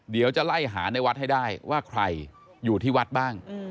เดี๋ยวจะไล่หาในวัดให้ได้ว่าใครอยู่ที่วัดบ้าง